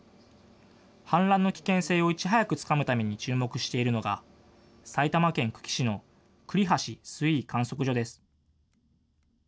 氾濫の危険性をいち早くつかむために注目しているのが埼玉県久喜市の栗橋水位観測所です。